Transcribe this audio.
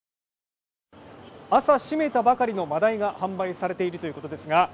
朝しめたばかりのマダイが販売されているということですが。